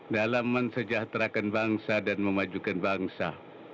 dalam mensejahterakan bangsa dan memajukan bangsa